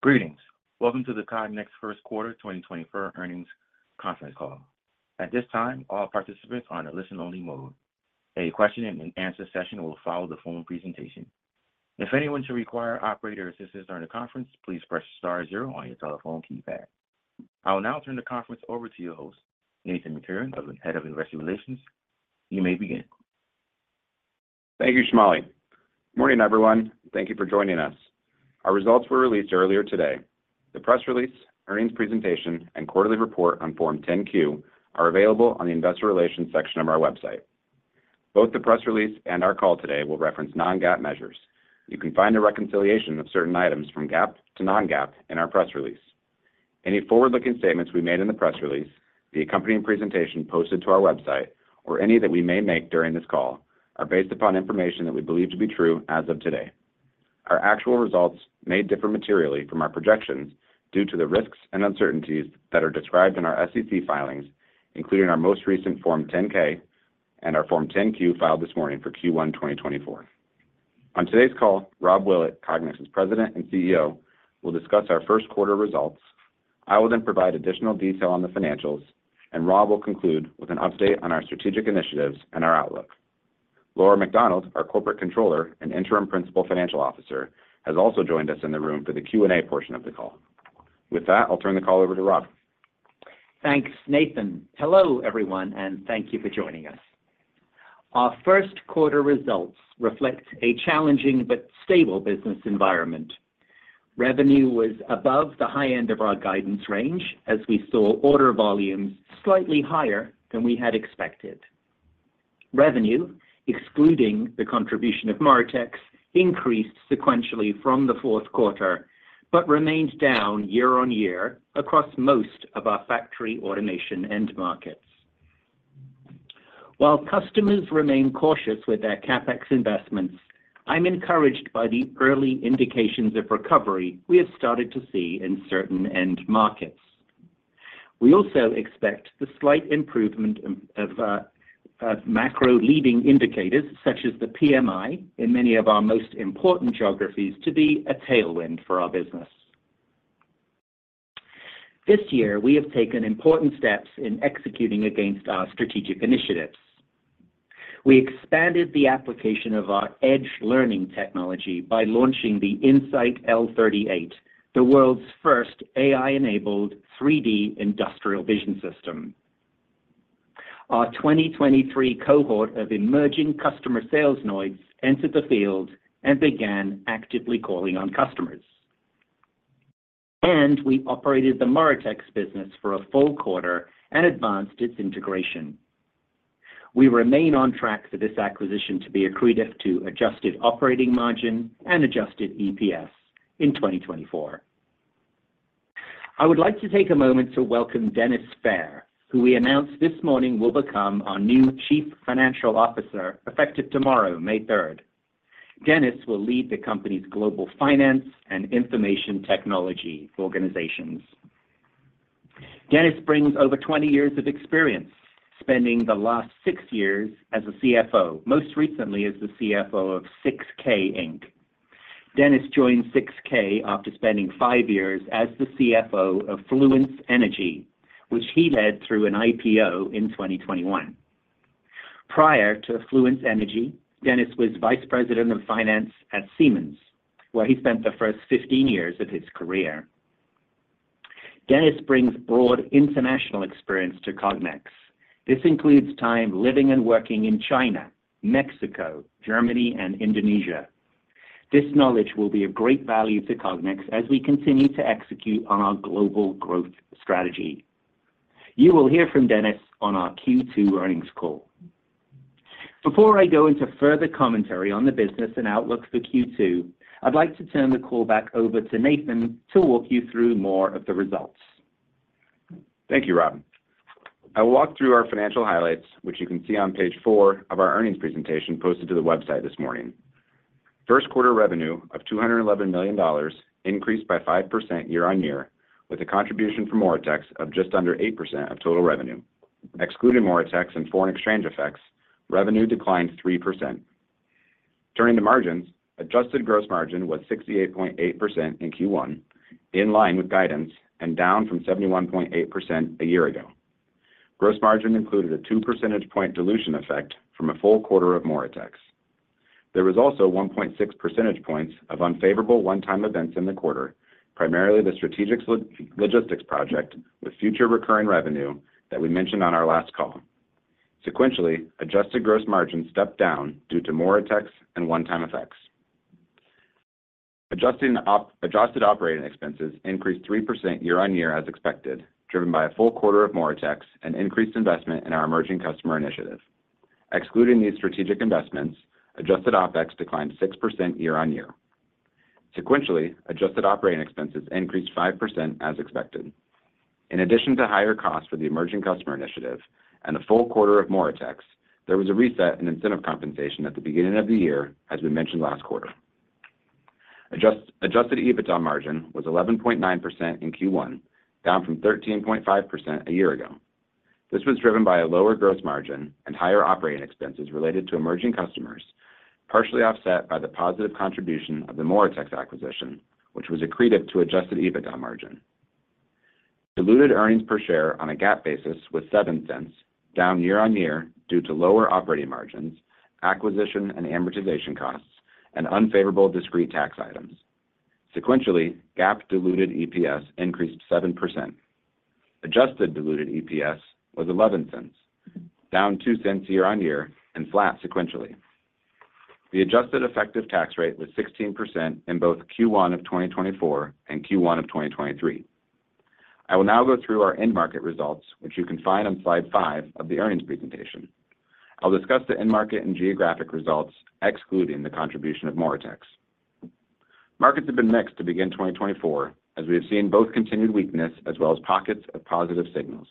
Greetings! Welcome to the Cognex first quarter 2024 earnings conference call. At this time, all participants are on a listen-only mode. A question and answer session will follow the formal presentation. If anyone should require operator assistance during the conference, please press star zero on your telephone keypad. I will now turn the conference over to your host, Nathan McCurren, Head of Investor Relations. You may begin. Thank you, Shamali. Morning, everyone. Thank you for joining us. Our results were released earlier today. The press release, earnings presentation, and quarterly report on Form 10-Q are available on the Investor Relations section of our website. Both the press release and our call today will reference non-GAAP measures. You can find a reconciliation of certain items from GAAP to non-GAAP in our press release. Any forward-looking statements we made in the press release, the accompanying presentation posted to our website, or any that we may make during this call, are based upon information that we believe to be true as of today. Our actual results may differ materially from our projections due to the risks and uncertainties that are described in our SEC filings, including our most recent Form 10-K and our Form 10-Q filed this morning for Q1 2024. On today's call, Rob Willett, Cognex's President and CEO, will discuss our first quarter results. I will then provide additional detail on the financials, and Rob will conclude with an update on our strategic initiatives and our outlook. Laura MacDonald, our Corporate Controller and Interim Principal Financial Officer, has also joined us in the room for the Q&A portion of the call. With that, I'll turn the call over to Rob. Thanks, Nathan. Hello, everyone, and thank you for joining us. Our first quarter results reflect a challenging but stable business environment. Revenue was above the high end of our guidance range as we saw order volumes slightly higher than we had expected. Revenue, excluding the contribution of Moritex, increased sequentially from the fourth quarter, but remained down year-on-year across most of our factory automation end markets. While customers remain cautious with their CapEx investments, I'm encouraged by the early indications of recovery we have started to see in certain end markets. We also expect the slight improvement of macro leading indicators, such as the PMI, in many of our most important geographies to be a tailwind for our business. This year, we have taken important steps in executing against our strategic initiatives. We expanded the application of our Edge Learning technology by launching the In-Sight L38, the world's first AI-enabled 3D industrial vision system. Our 2023 cohort of emerging customer sales nodes entered the field and began actively calling on customers, and we operated the Moritex business for a full quarter and advanced its integration. We remain on track for this acquisition to be accretive to adjusted operating margin and adjusted EPS in 2024. I would like to take a moment to welcome Dennis Fehr, who we announced this morning will become our new Chief Financial Officer, effective tomorrow, May third. Dennis will lead the company's global finance and information technology organizations. Dennis brings over 20 years of experience, spending the last six years as a CFO, most recently as the CFO of 6K, Inc. Dennis joined 6K after spending five years as the CFO of Fluence Energy, which he led through an IPO in 2021. Prior to Fluence Energy, Dennis was Vice President of Finance at Siemens, where he spent the first 15 years of his career. Dennis brings broad international experience to Cognex. This includes time living and working in China, Mexico, Germany, and Indonesia. This knowledge will be of great value to Cognex as we continue to execute on our global growth strategy. You will hear from Dennis on our Q2 earnings call. Before I go into further commentary on the business and outlook for Q2, I'd like to turn the call back over to Nathan to walk you through more of the results. Thank you, Rob. I will walk through our financial highlights, which you can see on page four of our earnings presentation posted to the website this morning. First quarter revenue of $211 million increased by 5% year-on-year, with a contribution from Moritex of just under 8% of total revenue. Excluding Moritex and foreign exchange effects, revenue declined 3%. Turning to margins, adjusted gross margin was 68.8% in Q1, in line with guidance and down from 71.8% a year ago. Gross margin included a two percentage point dilution effect from a full quarter of Moritex. There was also 1.6 percentage points of unfavorable one-time events in the quarter, primarily the strategic logistics project with future recurring revenue that we mentioned on our last call. Sequentially, adjusted gross margin stepped down due to Moritex and one-time effects. Adjusted operating expenses increased 3% year-on-year, as expected, driven by a full quarter of Moritex and increased investment in our Emerging Customer Initiative. Excluding these strategic investments, adjusted OpEx declined 6% year-on-year. Sequentially, adjusted operating expenses increased 5%, as expected. In addition to higher costs for the Emerging Customer Initiative and a full quarter of Moritex, there was a reset in incentive compensation at the beginning of the year, as we mentioned last quarter. Adjusted EBITDA margin was 11.9% in Q1, down from 13.5% a year ago. This was driven by a lower gross margin and higher operating expenses related to emerging customers, partially offset by the positive contribution of the Moritex acquisition, which was accretive to adjusted EBITDA margin. Diluted earnings per share on a GAAP basis was $0.07, down year-on-year due to lower operating margins, acquisition and amortization costs, and unfavorable discrete tax items. Sequentially, GAAP diluted EPS increased 7%. Adjusted diluted EPS was $0.11, down $0.02 year-on-year and flat sequentially. The adjusted effective tax rate was 16% in both Q1 of 2024 and Q1 of 2023. I will now go through our end market results, which you can find on slide five of the earnings presentation. I'll discuss the end market and geographic results, excluding the contribution of Moritex. Markets have been mixed to begin 2024, as we have seen both continued weakness as well as pockets of positive signals.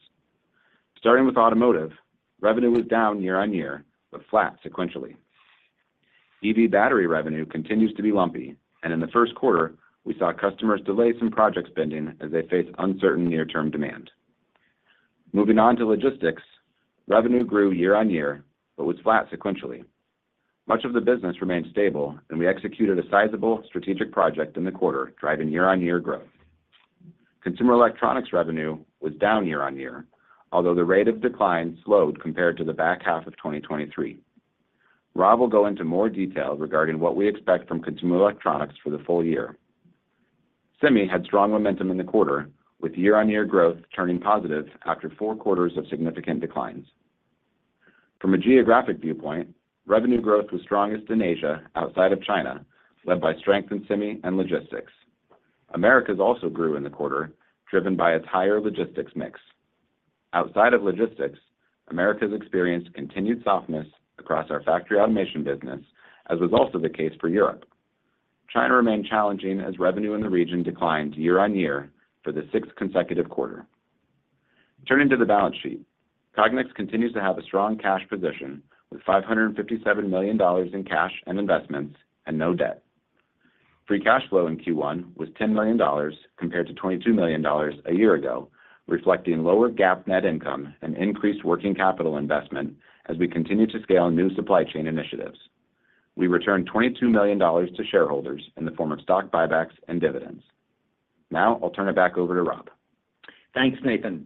Starting with automotive, revenue was down year-on-year, but flat sequentially. EV battery revenue continues to be lumpy, and in the first quarter, we saw customers delay some project spending as they face uncertain near-term demand. Moving on to logistics, revenue grew year-on-year, but was flat sequentially. Much of the business remained stable, and we executed a sizable strategic project in the quarter, driving year-on-year growth. Consumer electronics revenue was down year-on-year, although the rate of decline slowed compared to the back half of 2023. Rob will go into more detail regarding what we expect from consumer electronics for the full year. Semi had strong momentum in the quarter, with year-on-year growth turning positive after four quarters of significant declines. From a geographic viewpoint, revenue growth was strongest in Asia, outside of China, led by strength in semi and logistics. Americas also grew in the quarter, driven by its higher logistics mix. Outside of logistics, Americas experienced continued softness across our factory automation business, as was also the case for Europe. China remained challenging as revenue in the region declined year-on-year for the sixth consecutive quarter. Turning to the balance sheet, Cognex continues to have a strong cash position with $557 million in cash and investments and no debt. Free cash flow in Q1 was $10 million compared to $22 million a year ago, reflecting lower GAAP net income and increased working capital investment as we continue to scale new supply chain initiatives. We returned $22 million to shareholders in the form of stock buybacks and dividends. Now I'll turn it back over to Rob. Thanks, Nathan.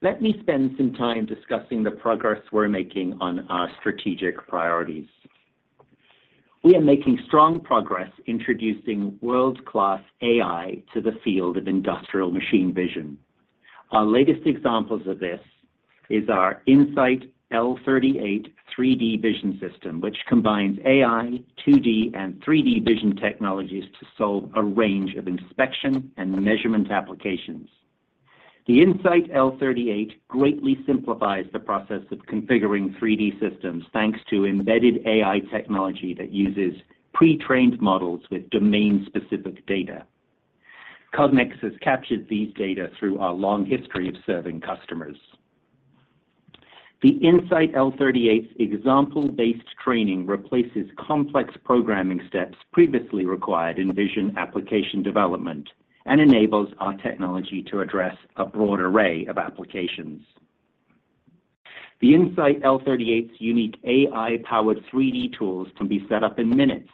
Let me spend some time discussing the progress we're making on our strategic priorities. We are making strong progress introducing world-class AI to the field of industrial machine vision. Our latest examples of this is our In-Sight L38 3D vision system, which combines AI, 2D, and 3D vision technologies to solve a range of inspection and measurement applications. The In-Sight L38 greatly simplifies the process of configuring 3D systems, thanks to embedded AI technology that uses pre-trained models with domain-specific data. Cognex has captured these data through our long history of serving customers. The In-Sight L38's example-based training replaces complex programming steps previously required in vision application development and enables our technology to address a broad array of applications. The In-Sight L38's unique AI-powered 3D tools can be set up in minutes,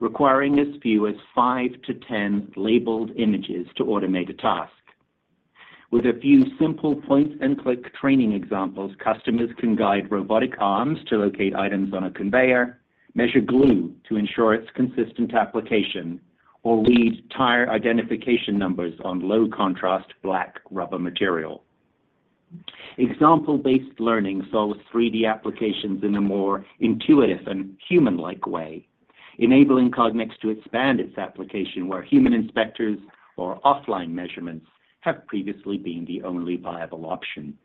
requiring as few as 5-10 labeled images to automate a task. With a few simple point-and-click training examples, customers can guide robotic arms to locate items on a conveyor, measure glue to ensure its consistent application, or read tire identification numbers on low-contrast black rubber material. Example-based learning solves 3D applications in a more intuitive and human-like way, enabling Cognex to expand its application where human inspectors or offline measurements have previously been the only viable option.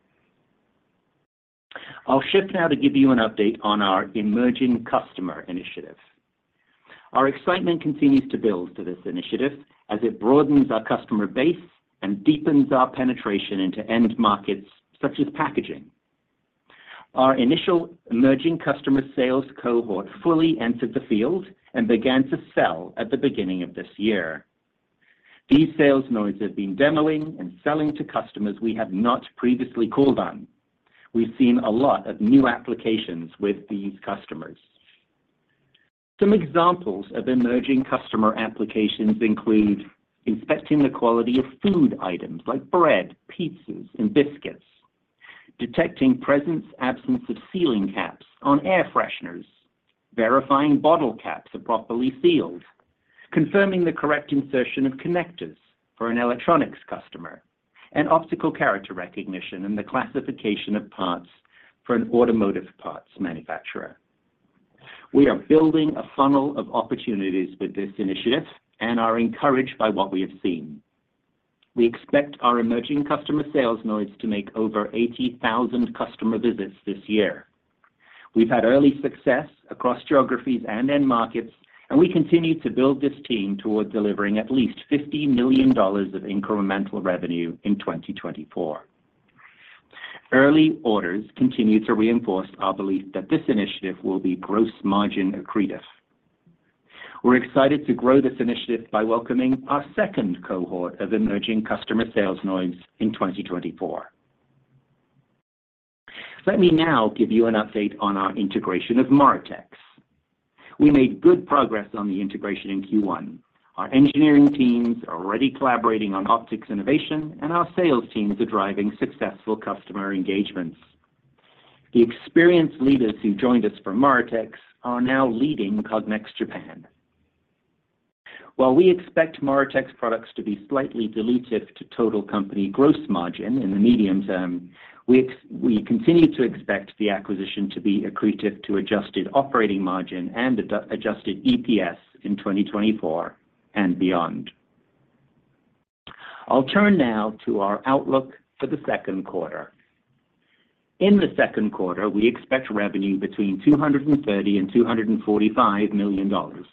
I'll shift now to give you an update on our Emerging Customer Initiative. Our excitement continues to build to this initiative as it broadens our customer base and deepens our penetration into end markets such as packaging. Our initial emerging customer sales cohort fully entered the field and began to sell at the beginning of this year. These sales nodes have been demoing and selling to customers we have not previously called on. We've seen a lot of new applications with these customers. Some examples of emerging customer applications include: inspecting the quality of food items like bread, pizzas, and biscuits, detecting presence/absence of sealing caps on air fresheners, verifying bottle caps are properly sealed, confirming the correct insertion of connectors for an electronics customer, and optical character recognition, and the classification of parts for an automotive parts manufacturer. We are building a funnel of opportunities with this initiative and are encouraged by what we have seen. We expect our emerging customer sales nodes to make over 80,000 customer visits this year. We've had early success across geographies and end markets, and we continue to build this team toward delivering at least $50 million of incremental revenue in 2024. Early orders continue to reinforce our belief that this initiative will be gross margin accretive. We're excited to grow this initiative by welcoming our second cohort of emerging customer sales nodes in 2024. Let me now give you an update on our integration of Moritex. We made good progress on the integration in Q1. Our engineering teams are already collaborating on optics innovation, and our sales teams are driving successful customer engagements. The experienced leaders who joined us from Moritex are now leading Cognex Japan. While we expect Moritex products to be slightly dilutive to total company gross margin in the medium term, we continue to expect the acquisition to be accretive to adjusted operating margin and adjusted EPS in 2024 and beyond. I'll turn now to our outlook for the second quarter. In the second quarter, we expect revenue between $230 million and $245 million.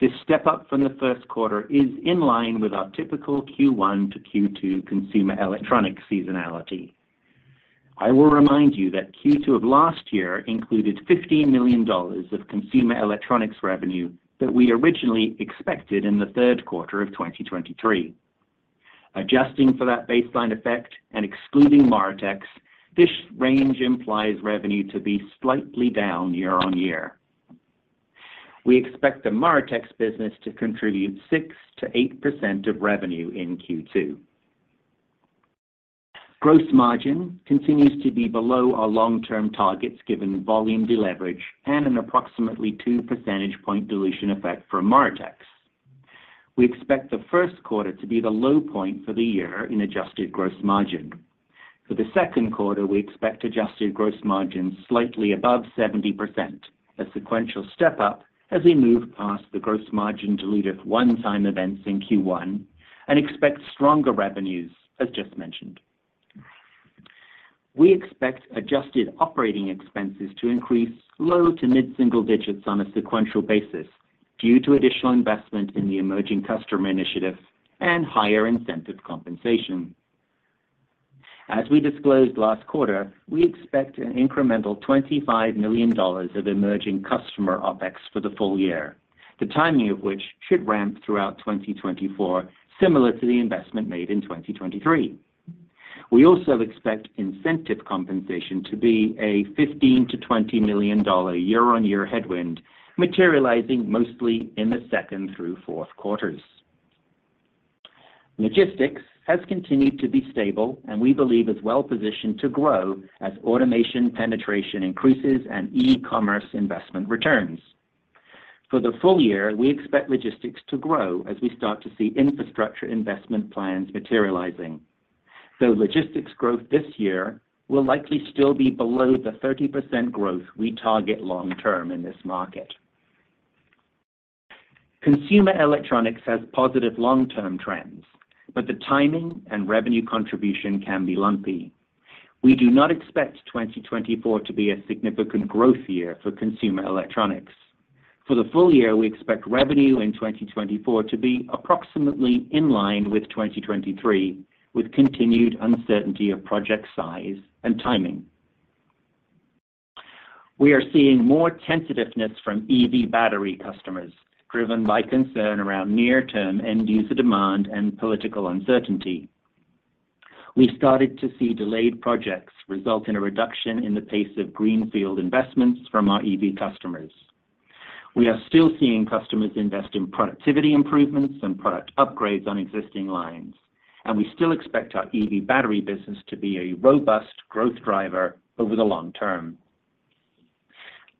This step up from the first quarter is in line with our typical Q1 to Q2 consumer electronics seasonality. I will remind you that Q2 of last year included $15 million of consumer electronics revenue that we originally expected in the third quarter of 2023. Adjusting for that baseline effect and excluding Moritex, this range implies revenue to be slightly down year-on-year. We expect the Moritex business to contribute 6%-8% of revenue in Q2. Gross margin continues to be below our long-term targets, given volume deleverage and an approximately two percentage point dilution effect from Moritex. We expect the first quarter to be the low point for the year in adjusted gross margin. For the second quarter, we expect adjusted gross margin slightly above 70%, a sequential step up as we move past the gross margin-dilutive one-time events in Q1, and expect stronger revenues, as just mentioned. We expect adjusted operating expenses to increase low to mid single digits on a sequential basis due to additional investment in the Emerging Customer Initiatives and higher incentive compensation. As we disclosed last quarter, we expect an incremental $25 million of emerging customer OpEx for the full year, the timing of which should ramp throughout 2024, similar to the investment made in 2023. We also expect incentive compensation to be a $15 million-$20 million year-on-year headwind, materializing mostly in the second through fourth quarters. Logistics has continued to be stable, and we believe is well positioned to grow as automation penetration increases and e-commerce investment returns. For the full year, we expect logistics to grow as we start to see infrastructure investment plans materializing, though logistics growth this year will likely still be below the 30% growth we target long term in this market. Consumer electronics has positive long-term trends, but the timing and revenue contribution can be lumpy. We do not expect 2024 to be a significant growth year for consumer electronics. For the full year, we expect revenue in 2024 to be approximately in line with 2023, with continued uncertainty of project size and timing. We are seeing more tentativeness from EV battery customers, driven by concern around near-term end-user demand and political uncertainty. We started to see delayed projects result in a reduction in the pace of greenfield investments from our EV customers. We are still seeing customers invest in productivity improvements and product upgrades on existing lines, and we still expect our EV battery business to be a robust growth driver over the long term.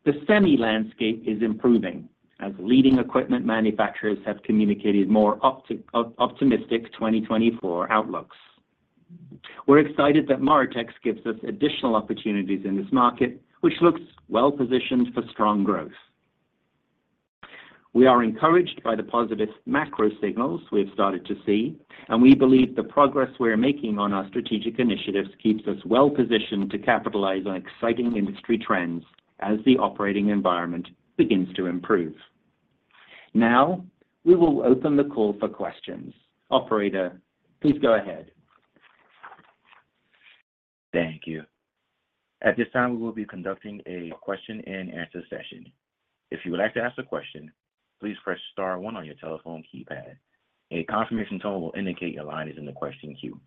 The semi landscape is improving, as leading equipment manufacturers have communicated more optimistic 2024 outlooks. We're excited that Moritex gives us additional opportunities in this market, which looks well positioned for strong growth. We are encouraged by the positive macro signals we have started to see, and we believe the progress we are making on our strategic initiatives keeps us well positioned to capitalize on exciting industry trends as the operating environment begins to improve. Now, we will open the call for questions. Operator, please go ahead. Thank you. At this time, we will be conducting a question-and-answer session. If you would like to ask a question, please press star one on your telephone keypad. A confirmation tone will indicate your line is in the question queue.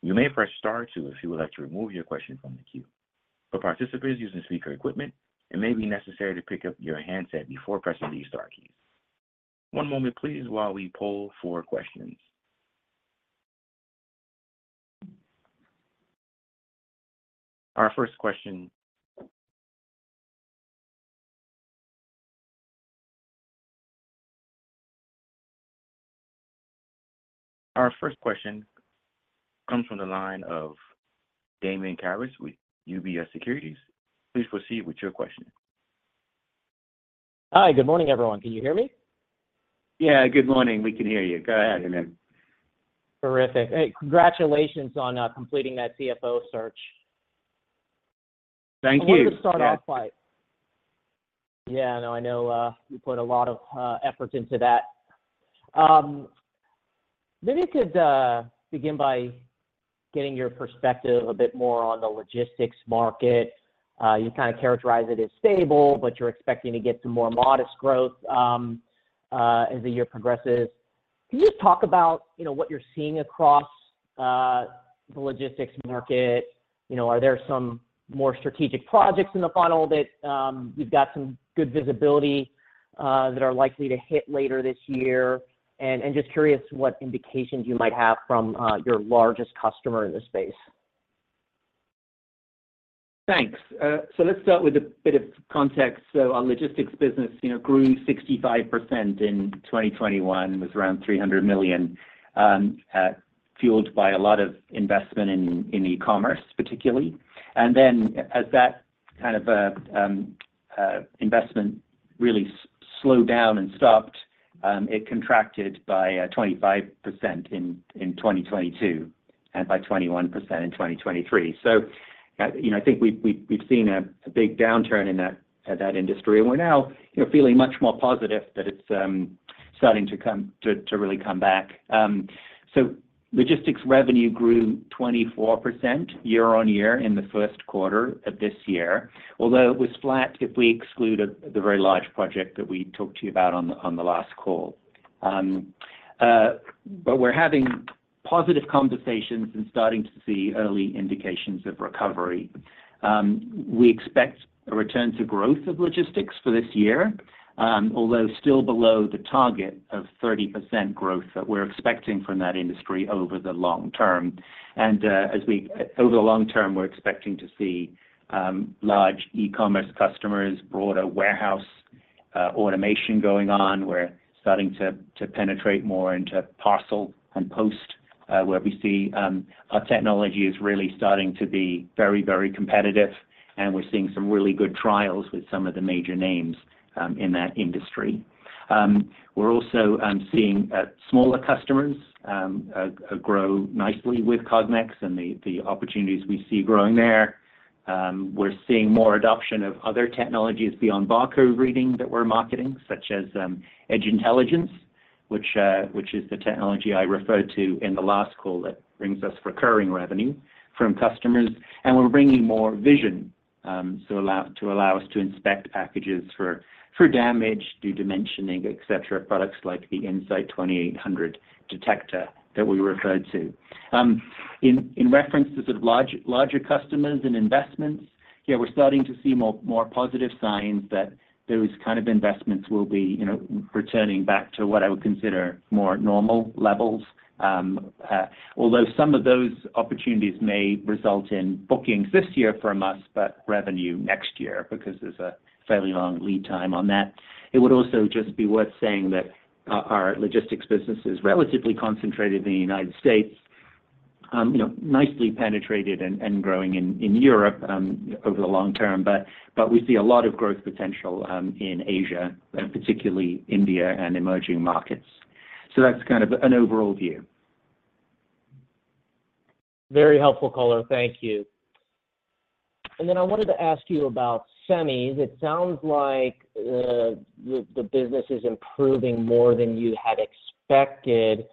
You may press star two if you would like to remove your question from the queue. For participants using speaker equipment, it may be necessary to pick up your handset before pressing these star keys. One moment, please, while we poll for questions. Our first question... Our first question comes from the line of Damian Karas with UBS Securities. Please proceed with your question. Hi. Good morning, everyone. Can you hear me? Yeah, good morning. We can hear you. Go ahead, Damian. Terrific. Hey, congratulations on completing that CFO search. Thank you. I wanted to start off by... Yeah, no, I know, you put a lot of, effort into that. Maybe you could begin by getting your perspective a bit more on the logistics market. You kind of characterize it as stable, but you're expecting to get some more modest growth as the year progresses. Can you just talk about, you know, what you're seeing across, the logistics market? You know, are there some more strategic projects in the funnel that, you've got some good visibility, that are likely to hit later this year? And, and just curious what indications you might have from, your largest customer in this space? Thanks. So let's start with a bit of context. So our logistics business, you know, grew 65% in 2021. It was around $300 million, fueled by a lot of investment in e-commerce, particularly. And then as that kind of a investment really slowed down and stopped, it contracted by 25% in 2022, and by 21% in 2023. You know, I think we've seen a big downturn in that industry, and we're now feeling much more positive that it's starting to come to really come back. So, logistics revenue grew 24% year-on-year in the first quarter of this year, although it was flat if we exclude the very large project that we talked to you about on the last call. But we're having positive conversations and starting to see early indications of recovery. We expect a return to growth of logistics for this year, although still below the target of 30% growth that we're expecting from that industry over the long term. And, over the long term, we're expecting to see large e-commerce customers, broader warehouse automation going on. We're starting to penetrate more into parcel and post, where we see our technology is really starting to be very, very competitive, and we're seeing some really good trials with some of the major names in that industry. We're also seeing smaller customers grow nicely with Cognex and the opportunities we see growing there. We're seeing more adoption of other technologies beyond barcode reading that we're marketing, such as Edge Intelligence, which is the technology I referred to in the last call that brings us recurring revenue from customers, and we're bringing more vision to allow us to inspect packages for damage, do dimensioning, et cetera, products like the In-Sight 2800 that we referred to. In reference to the larger customers and investments, yeah, we're starting to see more positive signs that those kind of investments will be, you know, returning back to what I would consider more normal levels. Although some of those opportunities may result in bookings this year from us, but revenue next year, because there's a fairly long lead time on that. It would also just be worth saying that our logistics business is relatively concentrated in the United States, you know, nicely penetrated and growing in Europe, over the long term, but we see a lot of growth potential in Asia, and particularly India and emerging markets. So that's kind of an overall view. Very helpful color. Thank you. Then I wanted to ask you about semis. It sounds like the business is improving more than you had expected.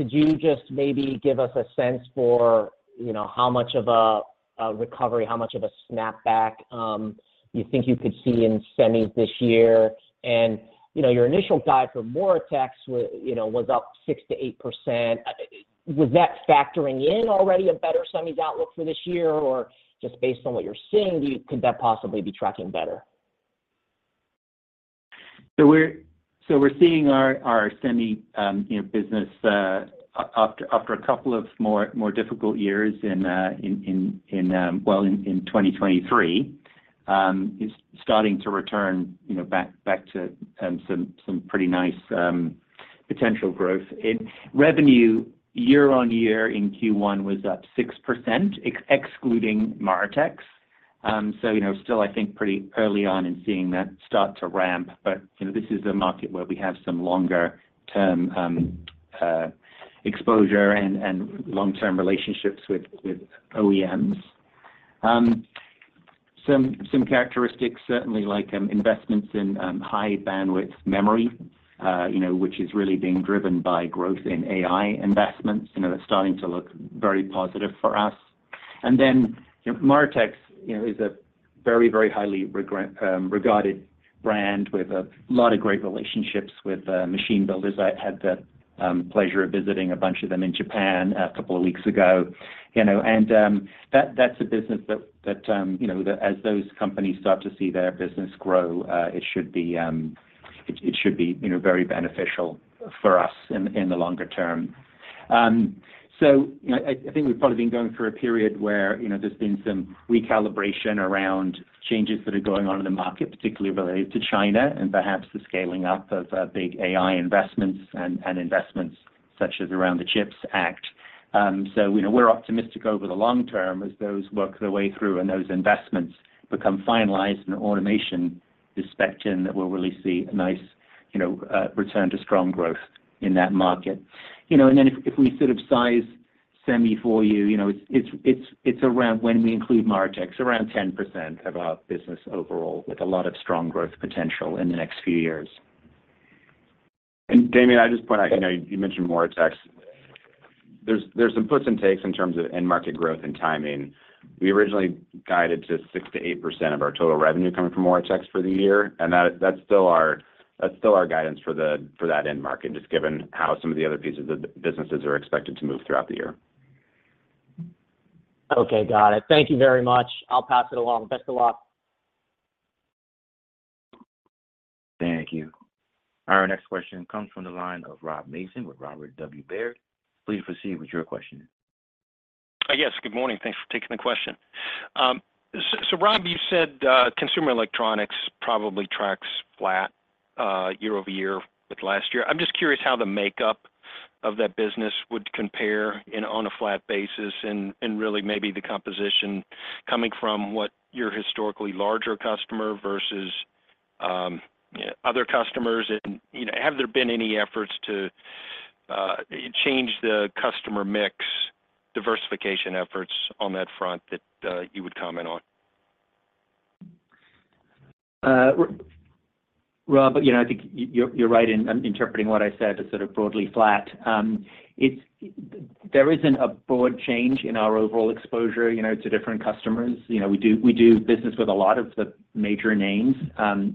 Could you just maybe give us a sense for, you know, how much of a recovery, how much of a snapback, you think you could see in semis this year? And, you know, your initial guide for next year was up 6%-8%. Was that factoring in already a better semis outlook for this year, or just based on what you're seeing, could that possibly be tracking better? So we're seeing our semi business after a couple of more difficult years in 2023 is starting to return back to some pretty nice potential growth. In revenue, year-on-year in Q1 was up 6%, excluding Moritex. So, you know, still, I think, pretty early on in seeing that start to ramp, but, you know, this is a market where we have some longer-term exposure and long-term relationships with OEMs. Some characteristics, certainly like investments in high bandwidth memory, you know, which is really being driven by growth in AI investments, you know, that's starting to look very positive for us. And then, Moritex, you know, is a very, very highly regarded brand with a lot of great relationships with machine builders. I had the pleasure of visiting a bunch of them in Japan a couple of weeks ago, you know, and that, that's a business that, that you know, as those companies start to see their business grow, it should be, it, it should be, you know, very beneficial for us in the longer term. So, you know, I, I think we've probably been going through a period where, you know, there's been some recalibration around changes that are going on in the market, particularly related to China and perhaps the scaling up of big AI investments and investments such as around the CHIPS Act. So, you know, we're optimistic over the long term as those work their way through and those investments become finalized and automation is specked in, that we'll really see a nice, you know, return to strong growth in that market. You know, and then if we sort of size semi for you, you know, it's around, when we include Moritex, around 10% of our business overall, with a lot of strong growth potential in the next few years. And Damian, I just point out, you know, you mentioned Moritex. There's, there's some puts and takes in terms of end market growth and timing. We originally guided to 6%-8% of our total revenue coming from Moritex for the year, and that, that's still our, that's still our guidance for the, for that end market, just given how some of the other pieces of the businesses are expected to move throughout the year. Okay, got it. Thank you very much. I'll pass it along. Best of luck. Thank you. Our next question comes from the line of Rob Mason with Robert W. Baird. Please proceed with your question. Yes, good morning. Thanks for taking the question. So, Rob, you said consumer electronics probably tracks flat year-over-year with last year. I'm just curious how the makeup of that business would compare in on a flat basis, and really maybe the composition coming from what your historically larger customer versus other customers? And, you know, have there been any efforts to change the customer mix diversification efforts on that front that you would comment on? Rob, you know, I think you're right in interpreting what I said as sort of broadly flat. It's -- there isn't a broad change in our overall exposure, you know, to different customers. You know, we do business with a lot of the major names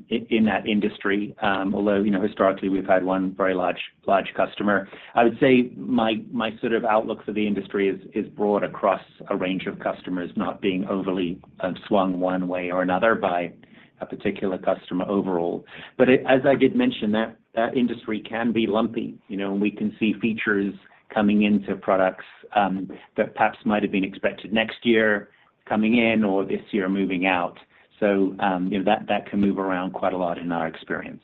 in that industry, although, you know, historically, we've had one very large customer. I would say my sort of outlook for the industry is broad across a range of customers, not being overly swung one way or another by a particular customer overall. But as I did mention, that industry can be lumpy. You know, we can see features coming into products that perhaps might have been expected next year coming in or this year moving out. You know, that can move around quite a lot in our experience.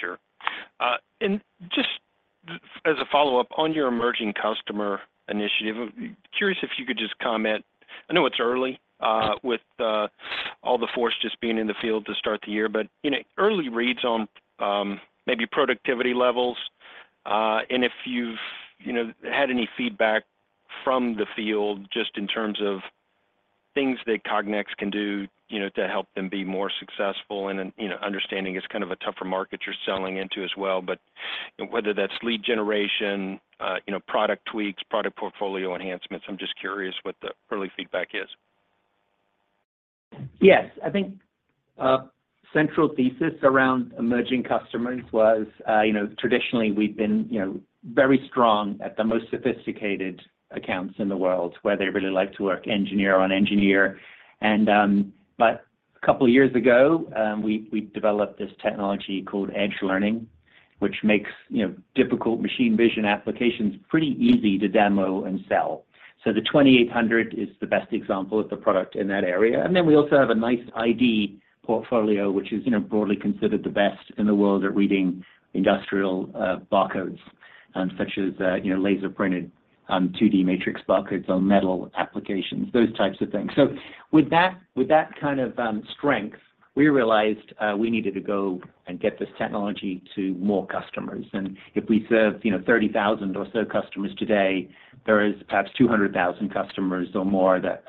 Sure. And just as a follow-up, on your Emerging Customer Initiative, curious if you could just comment... I know it's early, with all the force just being in the field to start the year, but, you know, early reads on, maybe productivity levels, and if you've, you know, had any feedback from the field, just in terms of things that Cognex can do, you know, to help them be more successful, and then, you know, understanding it's kind of a tougher market you're selling into as well. But whether that's lead generation, you know, product tweaks, product portfolio enhancements, I'm just curious what the early feedback is. Yes. I think a central thesis around emerging customers was, you know, traditionally, we've been, you know, very strong at the most sophisticated accounts in the world, where they really like to work engineer on engineer. But a couple of years ago, we developed this technology called Edge Learning, which makes, you know, difficult machine vision applications pretty easy to demo and sell. So the 2800 is the best example of the product in that area. And then we also have a nice ID portfolio, which is, you know, broadly considered the best in the world at reading industrial barcodes, such as, you know, laser printed 2D matrix barcodes on metal applications, those types of things. So with that, with that kind of strength, we realized we needed to go and get this technology to more customers. And if we serve, you know, 30,000 or so customers today, there is perhaps 200,000 customers or more that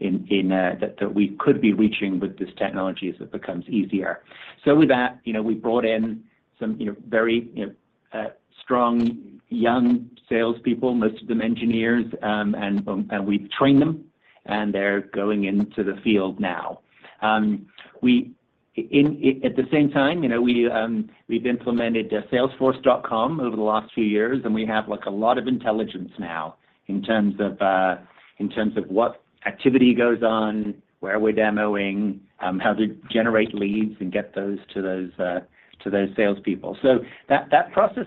in that we could be reaching with this technology as it becomes easier. So with that, you know, we brought in some, you know, very, you know, strong young salespeople, most of them engineers, and we've trained them, and they're going into the field now. At the same time, you know, we, we've implemented Salesforce.com over the last few years, and we have, like, a lot of intelligence now in terms of in terms of what activity goes on, where we're demoing, how to generate leads and get those to those salespeople. So that process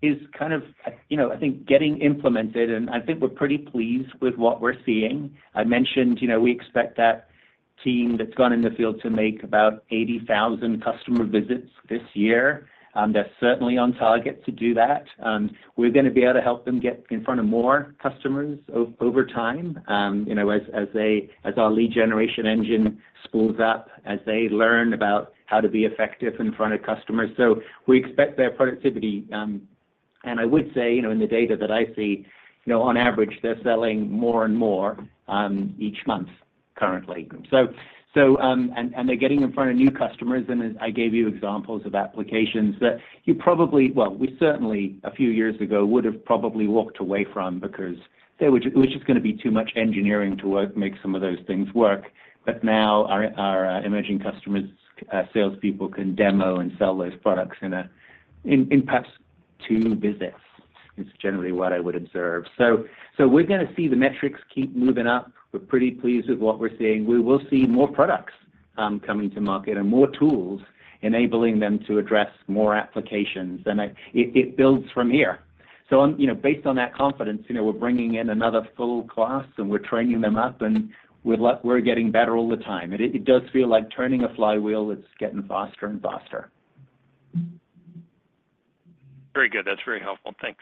is kind of, you know, I think, getting implemented, and I think we're pretty pleased with what we're seeing. I mentioned, you know, we expect that team that's gone in the field to make about 80,000 customer visits this year. They're certainly on target to do that. We're going to be able to help them get in front of more customers over time, you know, as, as they, as our lead generation engine spools up, as they learn about how to be effective in front of customers. So we expect their productivity, and I would say, you know, in the data that I see, you know, on average, they're selling more and more, each month currently. They're getting in front of new customers, and I gave you examples of applications that you probably, well, we certainly, a few years ago, would have probably walked away from because there was, it was just going to be too much engineering to work, make some of those things work. But now our emerging customers salespeople can demo and sell those products in perhaps two visits. It's generally what I would observe. So we're going to see the metrics keep moving up. We're pretty pleased with what we're seeing. We will see more products coming to market and more tools, enabling them to address more applications, and it builds from here. So, you know, based on that confidence, you know, we're bringing in another full class, and we're training them up, and we're getting better all the time. It does feel like turning a flywheel, it's getting faster and faster. Very good. That's very helpful. Thanks.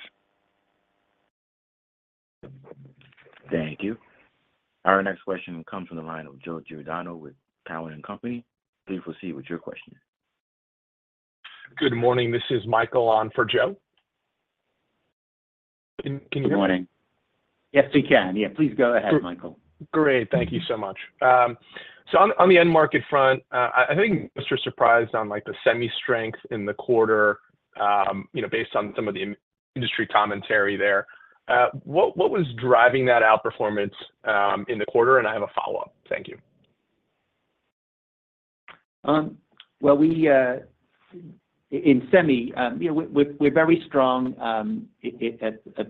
Thank you. Our next question comes from the line of Joe Giordano with Cowen and Company. Please proceed with your question. Good morning. This is Michael on for Joe. Can you hear me? Good morning. Yes, we can. Yeah, please go ahead, Michael. Great. Thank you so much. So on the end market front, I think I'm surprised on, like, the semi strength in the quarter, you know, based on some of the in-industry commentary there. What was driving that outperformance in the quarter? And I have a follow-up. Thank you. Well, we in semi, you know, we're very strong at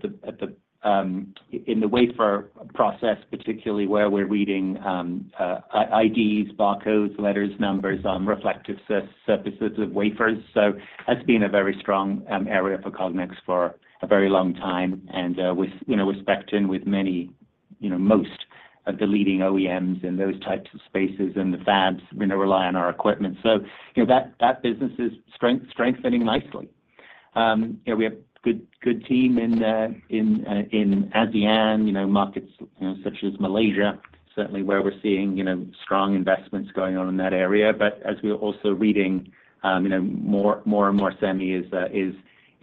the wafer process, particularly where we're reading IDs, barcodes, letters, numbers, reflective surfaces of wafers. So that's been a very strong area for Cognex for a very long time and, with, you know, we're specced in with many, you know, most of the leading OEMs in those types of spaces, and the fabs, you know, rely on our equipment. So, you know, that business is strengthening nicely. You know, we have good team in ASEAN markets, you know, such as Malaysia, certainly where we're seeing, you know, strong investments going on in that area. But as we are also reading, you know, more and more semi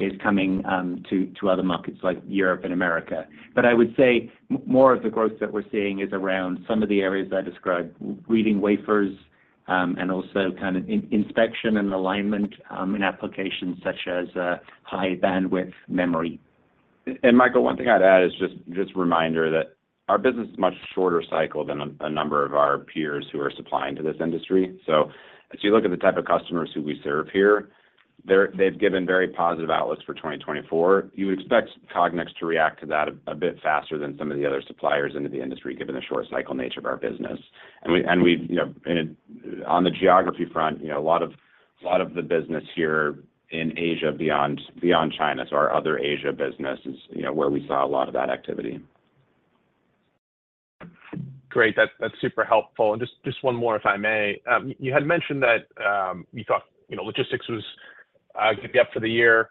is coming to other markets like Europe and America. But I would say more of the growth that we're seeing is around some of the areas I described, reading wafers, and also kind of inspection and alignment in applications such as high bandwidth memory. And Michael, one thing I'd add is just a reminder that our business is much shorter cycle than a number of our peers who are supplying to this industry. So as you look at the type of customers who we serve here, they've given very positive outlooks for 2024. You expect Cognex to react to that a bit faster than some of the other suppliers in the industry, given the short cycle nature of our business. And we've, you know, on the geography front, you know, a lot of the business here in Asia, beyond China, so our other Asia business is, you know, where we saw a lot of that activity. Great. That's super helpful. And just one more, if I may. You had mentioned that, you thought, you know, logistics was, could be up for the year,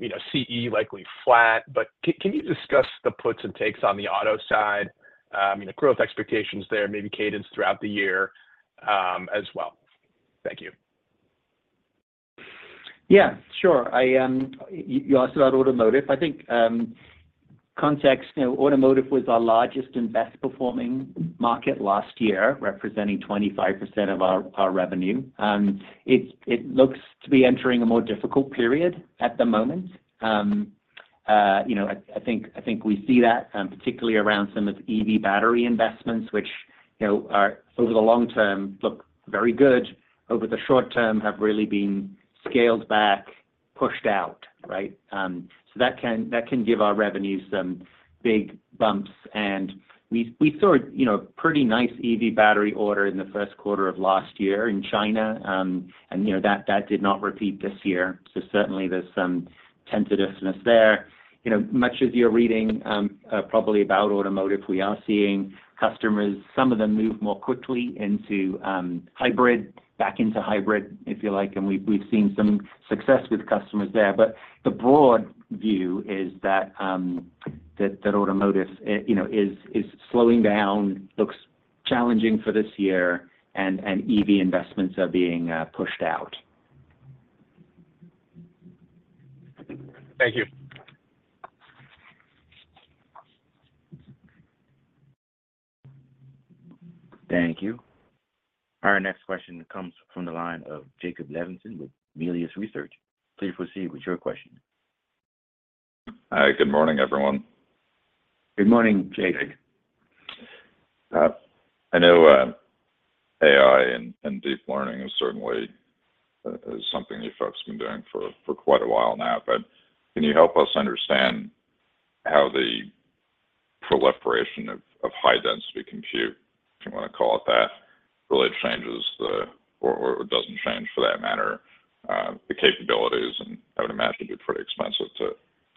you know, CE likely flat. But can you discuss the puts and takes on the auto side, you know, growth expectations there, maybe cadence throughout the year, as well? Thank you. Yeah, sure. I, you asked about automotive. I think, context, you know, automotive was our largest and best performing market last year, representing 25% of our revenue. It looks to be entering a more difficult period at the moment. You know, I think we see that, particularly around some of the EV battery investments, which, you know, are, over the long term, look very good, over the short term, have really been scaled back, pushed out, right? So that can give our revenues some big bumps. And we saw, you know, pretty nice EV battery order in the first quarter of last year in China. And, you know, that did not repeat this year. So certainly there's some tentativeness there. You know, much as you're reading, probably about automotive, we are seeing customers, some of them move more quickly into, hybrid, back into hybrid, if you like, and we've seen some success with customers there. But the broad view is that automotive, you know, is slowing down, looks challenging for this year, and EV investments are being pushed out. Thank you. Thank you. Our next question comes from the line of Jacob Levinson with Melius Research. Please proceed with your question. Hi, good morning, everyone. Good morning, Jake. I know AI and deep learning is certainly something you folks been doing for quite a while now, but can you help us understand how the proliferation of high-density compute, if you want to call it that, really changes the or doesn't change, for that matter, the capabilities? And I would imagine it's pretty expensive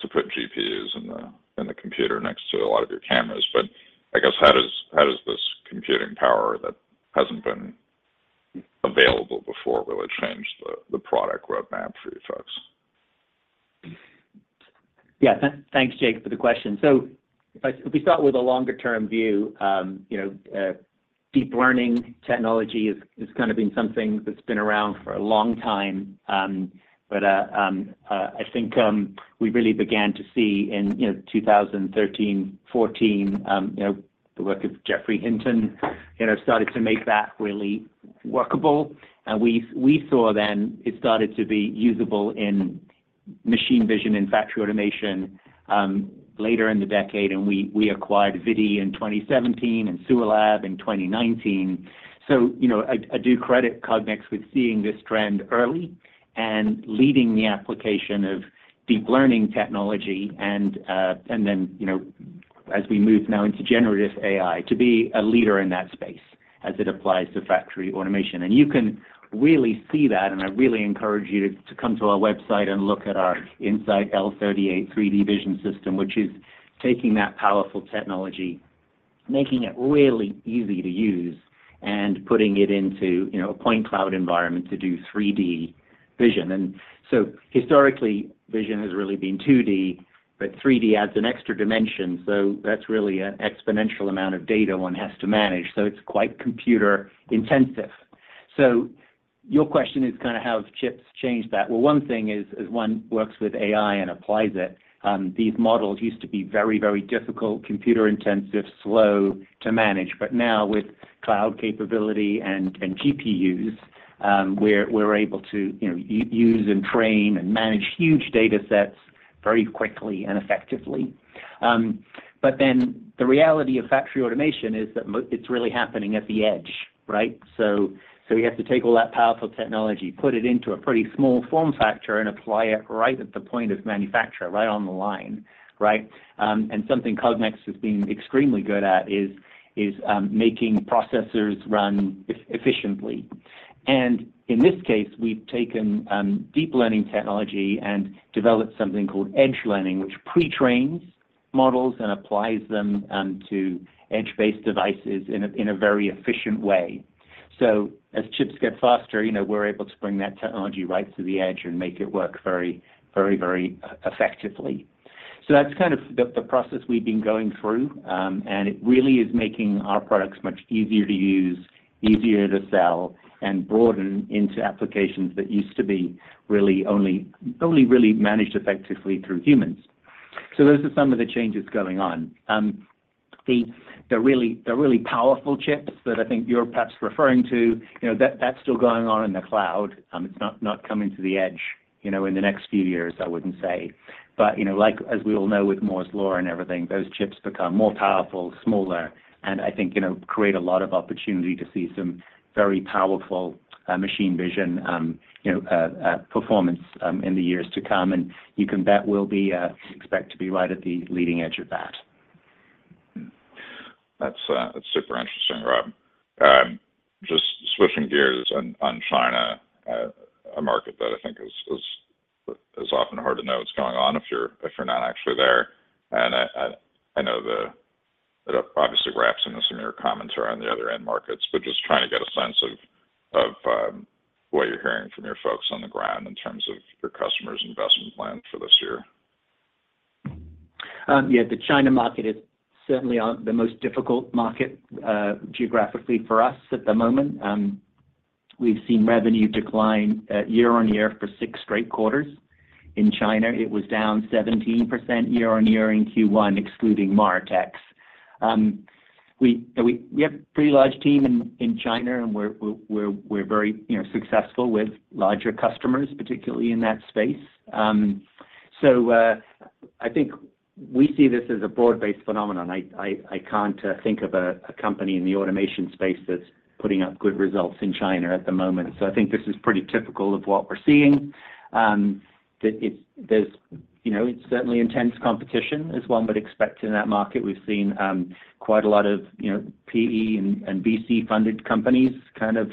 to put GPUs in the computer next to a lot of your cameras. But I guess how does this computing power that hasn't been available before really change the product roadmap for you folks? Yeah. Thanks, Jake, for the question. So if we start with a longer-term view, you know, deep learning technology has kind of been something that's been around for a long time. But I think we really began to see in, you know, 2013, 2014, you know, the work of Geoffrey Hinton, you know, started to make that really workable. And we saw then it started to be usable in machine vision and factory automation, later in the decade, and we acquired ViDi in 2017 and SUALAB in 2019. So, you know, I do credit Cognex with seeing this trend early and leading the application of deep learning technology, and then, you know, as we move now into generative AI, to be a leader in that space as it applies to factory automation. And you can really see that, and I really encourage you to come to our website and look at our In-Sight L38 3D vision system, which is taking that powerful technology, making it really easy to use and putting it into, you know, a point cloud environment to do 3D vision. And so historically, vision has really been 2D, but 3D adds an extra dimension, so that's really an exponential amount of data one has to manage, so it's quite computer intensive. So your question is kind of how have chips changed that? Well, one thing is one works with AI and applies it. These models used to be very, very difficult, computer intensive, slow to manage, but now with cloud capability and GPUs, we're able to, you know, use and train and manage huge data sets very quickly and effectively. But then the reality of factory automation is that it's really happening at the edge, right? So you have to take all that powerful technology, put it into a pretty small form factor, and apply it right at the point of manufacture, right on the line, right? And something Cognex has been extremely good at is making processors run efficiently. In this case, we've taken deep learning technology and developed something called Edge Learning, which pre-trains models and applies them to edge-based devices in a very efficient way. So as chips get faster, you know, we're able to bring that technology right to the edge and make it work very, very, very effectively. So that's kind of the process we've been going through, and it really is making our products much easier to use, easier to sell, and broaden into applications that used to be really only really managed effectively through humans. So those are some of the changes going on. The really powerful chips that I think you're perhaps referring to, you know, that's still going on in the cloud. It's not, not coming to the edge, you know, in the next few years, I wouldn't say. But, you know, like, as we all know with Moore's Law and everything, those chips become more powerful, smaller, and I think, you know, create a lot of opportunity to see some very powerful, machine vision, you know, performance, in the years to come, and you can bet we'll be, expect to be right at the leading edge of that. That's, that's super interesting, Rob. Just switching gears on China, a market that I think is often hard to know what's going on if you're not actually there. I know it obviously wraps into some of your commentary on the other end markets, but just trying to get a sense of what you're hearing from your folks on the ground in terms of your customers' investment plan for this year. Yeah, the China market is certainly the most difficult market geographically for us at the moment. We've seen revenue decline year-over-year for six straight quarters. In China, it was down 17% year-over-year in Q1, excluding Moritex. We have a pretty large team in China, and we're very, you know, successful with larger customers, particularly in that space. So, I think we see this as a broad-based phenomenon. I can't think of a company in the automation space that's putting up good results in China at the moment. So I think this is pretty typical of what we're seeing. It's, there's, you know, it's certainly intense competition, as one would expect in that market. We've seen quite a lot of, you know, PE and VC-funded companies kind of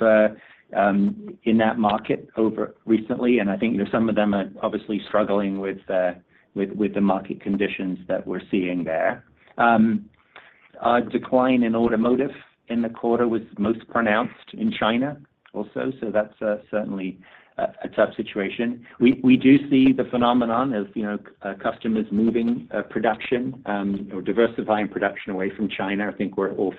in that market over recently, and I think, you know, some of them are obviously struggling with the market conditions that we're seeing there. Our decline in automotive in the quarter was most pronounced in China also, so that's certainly a tough situation. We do see the phenomenon of, you know, customers moving production or diversifying production away from China. I think we're all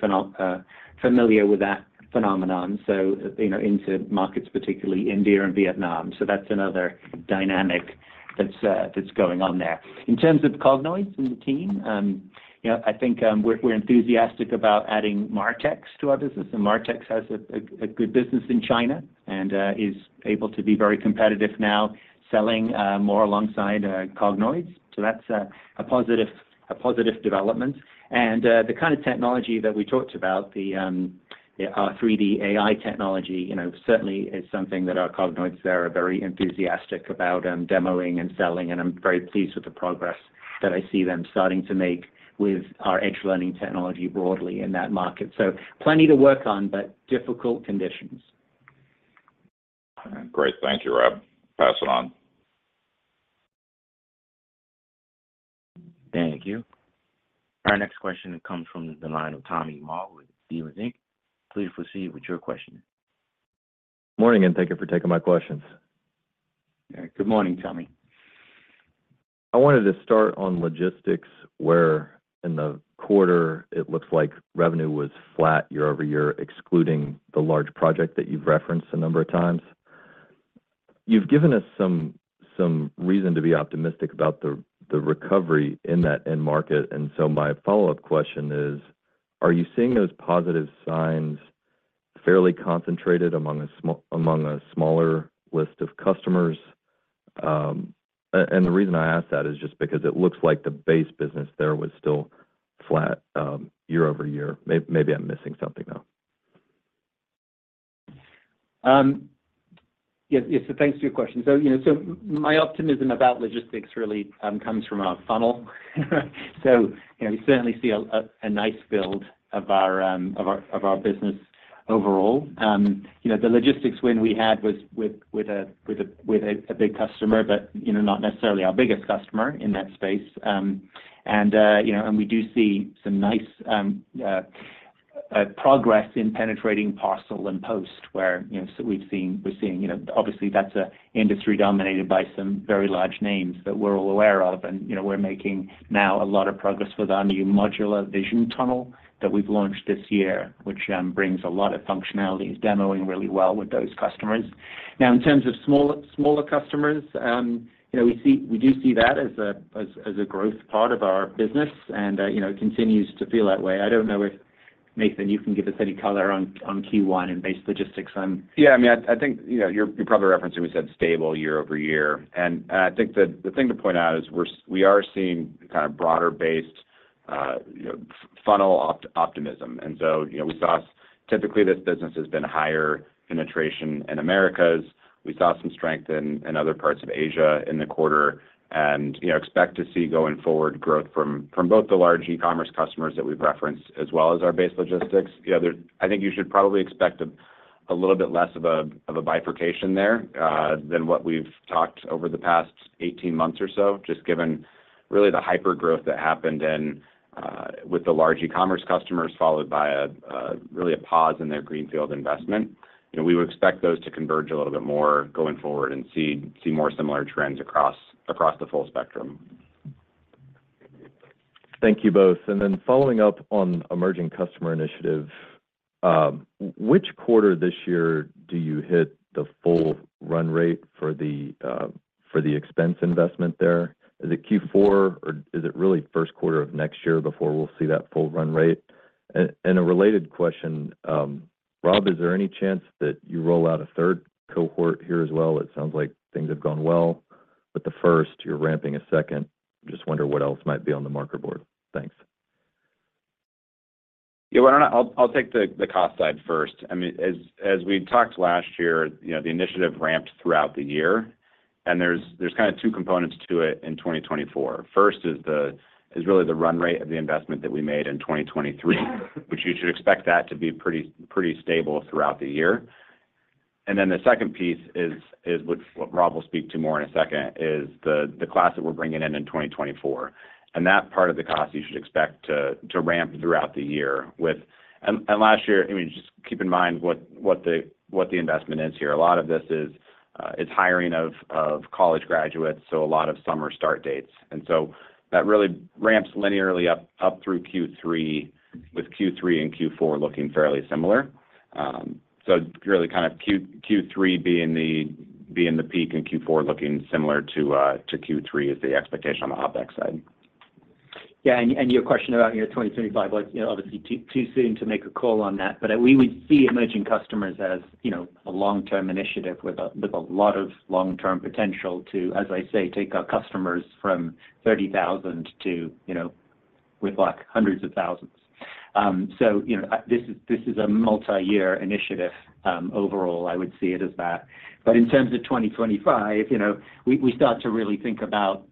familiar with that phenomenon, so, you know, into markets, particularly India and Vietnam. So that's another dynamic that's going on there. In terms of Cognex and the team, you know, I think we're enthusiastic about adding Moritex to our business, and Moritex has a good business in China and is able to be very competitive now, selling more alongside Cognex. So that's a positive development. And the kind of technology that we talked about, our 3D AI technology, you know, certainly is something that our Cognex are very enthusiastic about and demoing and selling, and I'm very pleased with the progress that I see them starting to make with our Edge Learning technology broadly in that market. So plenty to work on, but difficult conditions. Great. Thank you, Rob. Pass it on. Thank you. Our next question comes from the line of Tommy Moll with Stephens Inc. Please proceed with your question. Morning, and thank you for taking my questions. Good morning, Tommy. I wanted to start on logistics, where in the quarter it looks like revenue was flat year over year, excluding the large project that you've referenced a number of times. You've given us some reason to be optimistic about the recovery in that end market, and so my follow-up question is: are you seeing those positive signs fairly concentrated among a smaller list of customers? And the reason I ask that is just because it looks like the base business there was still flat, year over year. Maybe I'm missing something, though. Yes, yes, so thanks for your question. So, you know, so my optimism about logistics really comes from our funnel. So, you know, we certainly see a nice build of our business overall. You know, the logistics win we had was with a big customer, but, you know, not necessarily our biggest customer in that space. You know, and we do see some nice progress in penetrating parcel and post where, you know, so we've seen-- we're seeing, you know, obviously, that's a industry dominated by some very large names that we're all aware of, and, you know, we're making now a lot of progress with our new Modular Vision Tunnel that we've launched this year, which brings a lot of functionality, is demoing really well with those customers. Now, in terms of smaller, smaller customers, you know, we see-- we do see that as a, as, as a growth part of our business, and, you know, it continues to feel that way. I don't know if, Nathan, you can give us any color on Q1 and base logistics on? Yeah, I mean, I think, you know, you're probably referencing we said stable year-over-year. And I think the thing to point out is we're, we are seeing kind of broader-based, you know, funnel optimism. And so, you know, we saw typically this business has been higher penetration in Americas. We saw some strength in other parts of Asia in the quarter, and, you know, expect to see, going forward, growth from both the large e-commerce customers that we've referenced, as well as our base logistics. Yeah, there. I think you should probably expect a little bit less of a bifurcation there than what we've talked over the past 18 months or so, just given really the hypergrowth that happened in with the large e-commerce customers, followed by a really a pause in their greenfield investment. You know, we would expect those to converge a little bit more going forward and see more similar trends across the full spectrum. Thank you both. And then following up on Emerging Customer Initiative, which quarter this year do you hit the full run rate for the expense investment there? Is it Q4, or is it really first quarter of next year before we'll see that full run rate? And a related question, Rob, is there any chance that you roll out a third cohort here as well? It sounds like things have gone well with the first, you're ramping a second. Just wonder what else might be on the marker board. Thanks. Yeah, why don't I. I'll take the cost side first. I mean, as we talked last year, you know, the initiative ramped throughout the year, and there's kind of two components to it in 2024. First is really the run rate of the investment that we made in 2023, which you should expect that to be pretty stable throughout the year. And then the second piece is what Rob will speak to more in a second, is the class that we're bringing in in 2024, and that part of the cost you should expect to ramp throughout the year with. And last year, I mean, just keep in mind what the investment is here. A lot of this is hiring of college graduates, so a lot of summer start dates, and so that really ramps linearly up through Q3, with Q3 and Q4 looking fairly similar. So really kind of Q3 being the peak, and Q4 looking similar to Q3 is the expectation on the OpEx side. Yeah, and your question about, you know, 2025, well, you know, obviously, too soon to make a call on that, but we would see emerging customers as, you know, a long-term initiative with a lot of long-term potential to, as I say, take our customers from 30,000 to, you know, with, like, hundreds of thousands. So, you know, this is a multiyear initiative. Overall, I would see it as that. But in terms of 2025, you know, we start to really think about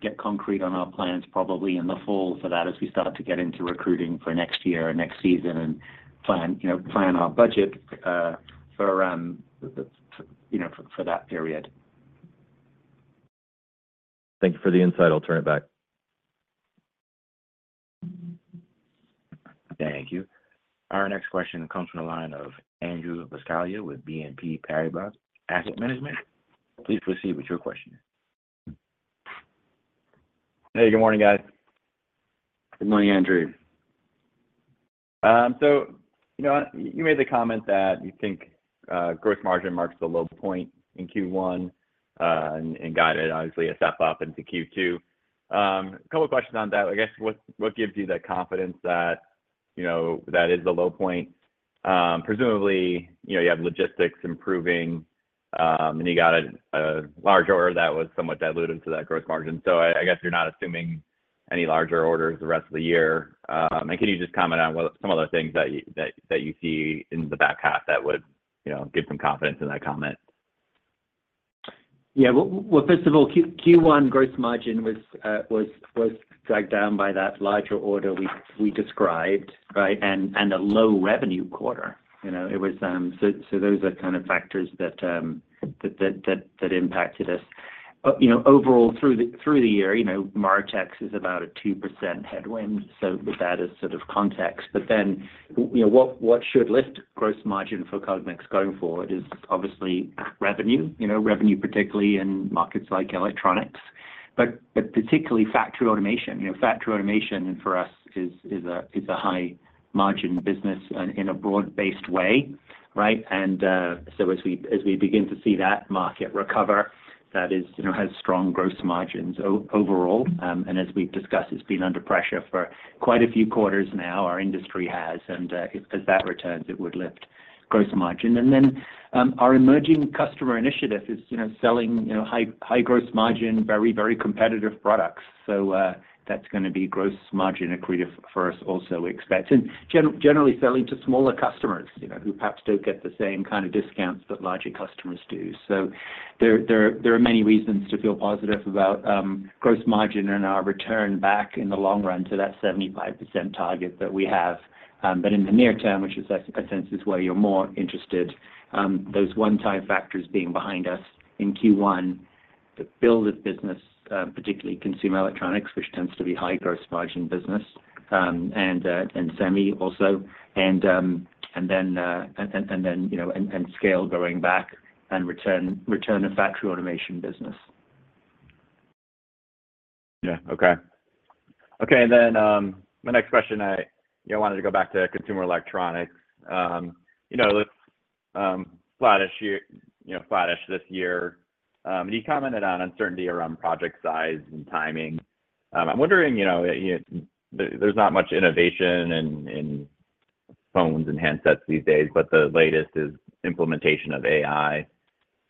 get concrete on our plans, probably in the fall for that, as we start to get into recruiting for next year and next season and plan, you know, plan our budget for the, you know, for that period. Thank you for the insight. I'll turn it back. Thank you. Our next question comes from the line of Andrew Buscaglia with BNP Paribas Asset Management. Please proceed with your question. Hey, good morning, guys. Good morning, Andrew. So you know, you made the comment that you think gross margin marks the low point in Q1 and guided, obviously, a step up into Q2. A couple questions on that. I guess what gives you the confidence that, you know, that is the low point? Presumably, you know, you have logistics improving and you got a large order that was somewhat dilutive to that gross margin. So I guess you're not assuming any larger orders the rest of the year. And can you just comment on what some other things that you see in the back half that would, you know, give some confidence in that comment? Yeah. Well, first of all, Q1 gross margin was dragged down by that larger order we described, right? And a low revenue quarter. You know, it was... So those are kind of factors that impacted us. But you know, overall, through the year, you know, Moritex is about a 2% headwind, so with that as sort of context. But then, you know, what should lift gross margin for Cognex going forward is obviously revenue, you know, revenue particularly in markets like electronics, but particularly factory automation. You know, factory automation for us is a high-margin business in a broad-based way, right? And so as we begin to see that market recover, that is, you know, has strong gross margins overall. And as we've discussed, it's been under pressure for quite a few quarters now, our industry has, and as that returns, it would lift gross margin. And then, our Emerging Customer Initiative is, you know, selling, you know, high, high gross margin, very, very competitive products. So, that's gonna be gross margin accretive for us also, we expect. And generally selling to smaller customers, you know, who perhaps don't get the same kind of discounts that larger customers do. So there are many reasons to feel positive about gross margin and our return back in the long run to that 75% target that we have. But in the near term, which is, I sense is where you're more interested, those one-time factors being behind us in Q1 to build this business, particularly consumer electronics, which tends to be high gross margin business, and semi also. And then, you know, and scale going back and return to factory automation business. Yeah. Okay. Okay, and then, my next question, I, you know, wanted to go back to consumer electronics. You know, looks, flattish year, you know, flattish this year. And you commented on uncertainty around project size and timing. I'm wondering, you know, there's not much innovation in, in phones and handsets these days, but the latest is implementation of AI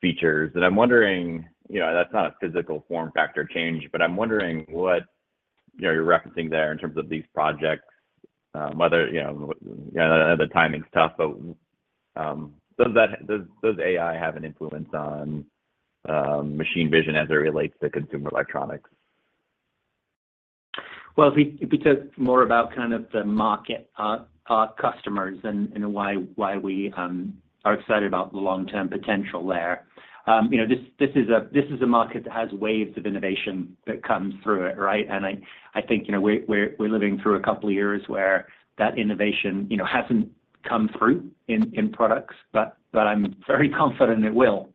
features. And I'm wondering, you know, that's not a physical form factor change, but I'm wondering what, you know, you're referencing there in terms of these projects, whether, you know, the timing's tough, but, does AI have an influence on, machine vision as it relates to consumer electronics? Well, if we talk more about kind of the market, customers and why we are excited about the long-term potential there. You know, this is a market that has waves of innovation that comes through it, right? And I think, you know, we're living through a couple of years where that innovation, you know, hasn't come through in products, but I'm very confident it will,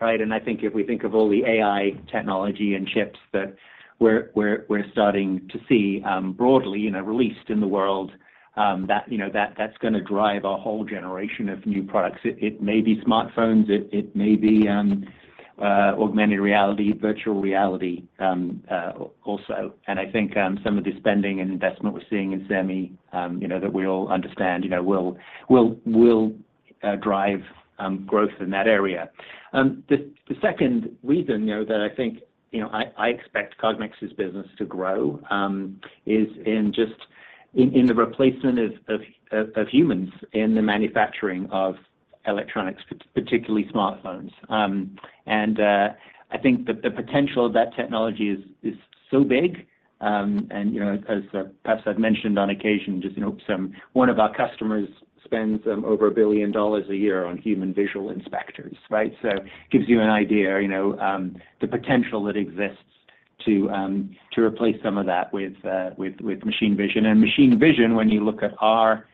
right? And I think if we think of all the AI technology and chips that we're starting to see broadly, you know, released in the world, that, you know, that's gonna drive a whole generation of new products. It may be smartphones, it may be augmented reality, virtual reality, also. And I think some of the spending and investment we're seeing in semi, you know, that we all understand, you know, will drive growth in that area. The second reason, you know, that I think, you know, I expect Cognex's business to grow, is just in the replacement of humans in the manufacturing of electronics, particularly smartphones. I think the potential of that technology is so big, and you know, as perhaps I've mentioned on occasion, just you know, one of our customers spends over $1 billion a year on human visual inspectors, right? So it gives you an idea, you know, the potential that exists to replace some of that with machine vision. Machine vision, when you look at our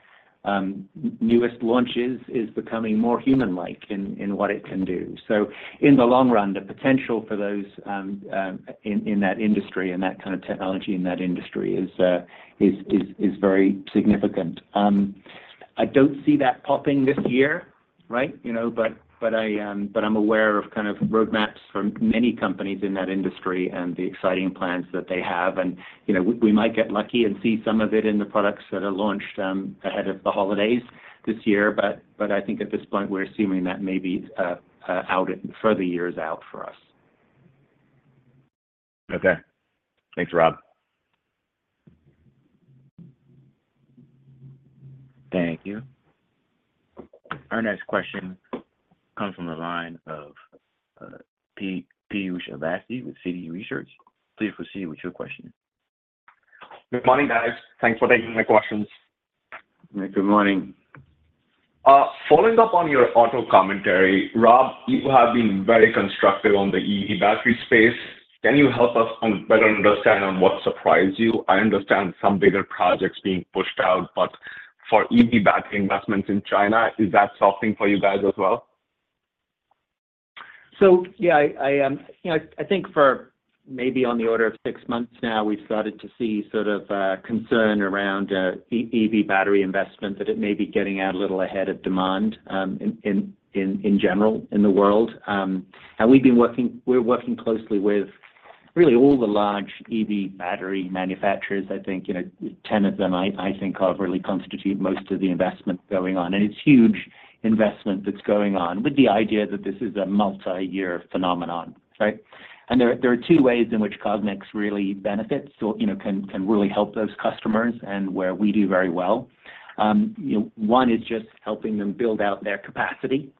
newest launches, is becoming more human-like in what it can do. So in the long run, the potential for those in that industry and that kind of technology in that industry is very significant. I don't see that popping this year, right? You know, but I'm aware of kind of roadmaps from many companies in that industry and the exciting plans that they have. And, you know, we might get lucky and see some of it in the products that are launched ahead of the holidays this year, but I think at this point, we're assuming that may be out at further years out for us. Okay. Thanks, Rob. Thank you. Our next question comes from the line of Piyush Avasthy with Citi Research. Please proceed with your question. Good morning, guys. Thanks for taking my questions. Good morning. Following up on your auto commentary, Rob, you have been very constructive on the EV battery space. Can you help us better understand on what surprised you? I understand some bigger projects being pushed out, but for EV battery investments in China, is that something for you guys as well? So, yeah, I, you know, I think for maybe on the order of six months now, we've started to see sort of, concern around, EV battery investment, that it may be getting out a little ahead of demand, in general, in the world. And we've been working—we're working closely with really all the large EV battery manufacturers. I think, you know, 10 of them, I, I think, are really constitute most of the investment going on. And it's huge investment that's going on with the idea that this is a multi-year phenomenon, right? And there are, there are two ways in which Cognex really benefits or, you know, can, can really help those customers and where we do very well. You know, one is just helping them build out their capacity,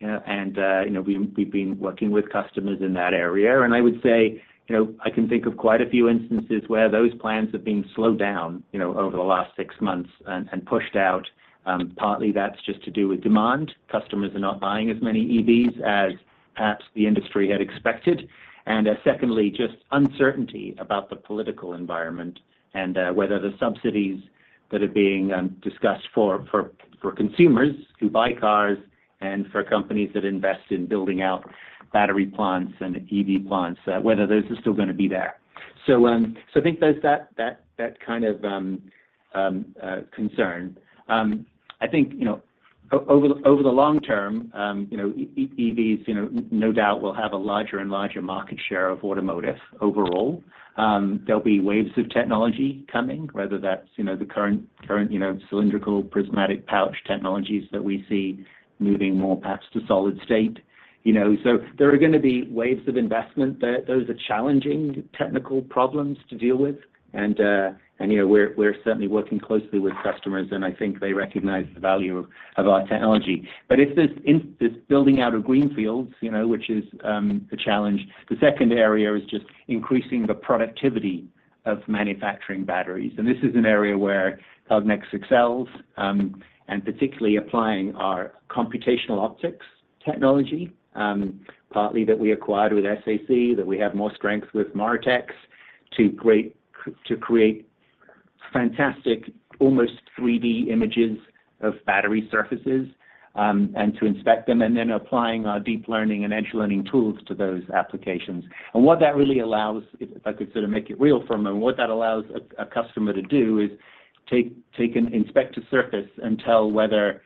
and you know, we've been working with customers in that area. And I would say, you know, I can think of quite a few instances where those plans have been slowed down, you know, over the last six months and pushed out. Partly that's just to do with demand. Customers are not buying as many EVs as perhaps the industry had expected. And secondly, just uncertainty about the political environment and whether the subsidies that are being discussed for consumers who buy cars and for companies that invest in building out battery plants and EV plants, whether those are still gonna be there. So, I think there's that kind of concern. I think, you know, over the long term, you know, EVs, you know, no doubt will have a larger and larger market share of automotive overall. There'll be waves of technology coming, whether that's, you know, the current cylindrical, prismatic pouch technologies that we see moving more perhaps to solid state. You know, so there are gonna be waves of investment, those are challenging technical problems to deal with, and, you know, we're certainly working closely with customers, and I think they recognize the value of our technology. But it's this building out of greenfields, you know, which is the challenge. The second area is just increasing the productivity of manufacturing batteries. This is an area where Cognex excels, and particularly applying our computational optics technology, partly that we acquired with SAC, that we have more strength with Moritex, to create fantastic, almost 3D images of battery surfaces, and to inspect them, and then applying our deep learning and Edge Learning tools to those applications. What that really allows, if I could sort of make it real for a moment, what that allows a customer to do is take and inspect a surface and tell whether